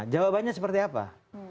jawabannya seperti apa